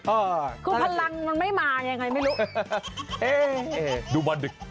อ่าคุณพลังมันไม่มายังไงไม่รู้ดูบันดึกอ๋อ